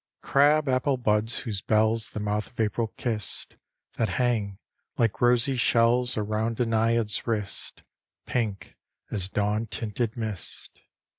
Crab apple buds, whose bells The mouth of April kissed; That hang, like rosy shells Around a naiad's wrist, Pink as dawn tinted mist.